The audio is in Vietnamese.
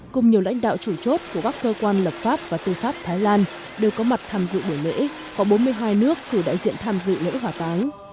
cùng nhiều lãnh đạo chủ chốt của các cơ quan lập pháp và tư pháp thái lan đều có mặt tham dự buổi lễ có bốn mươi hai nước cử đại diện tham dự lễ hòa cái